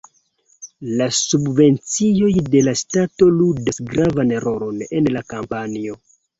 La subvencioj de la ŝtato ludas gravan rolon en la kampanjo.